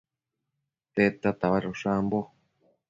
Tedta tabadosh ambo?